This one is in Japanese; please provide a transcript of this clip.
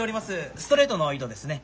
ストレートの糸ですね。